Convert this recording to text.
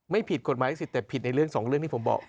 ไม่ผิดกฎหมายสิทธิ์แต่ผิดในเรื่องสองเรื่องที่ผมบอก